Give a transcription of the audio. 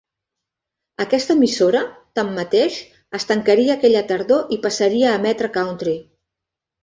Aquesta emissora, tanmateix, es tancaria aquella tardor i passaria a emetre Country.